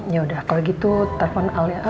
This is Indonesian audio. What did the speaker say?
yaudah kalau gitu telfon al ya